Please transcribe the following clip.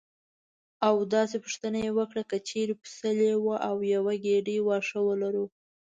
او داسې پوښتنه یې وکړه: که چېرې پسه لیوه او یوه ګېډۍ واښه ولرو.